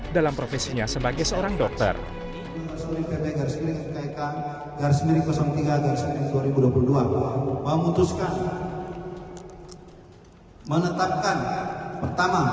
dalam profesinya sebagai seorang dokter garis milik tiga dua ribu dua puluh dua memutuskan menetapkan pertama